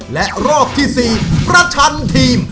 และรอบที่๔ประชันทีม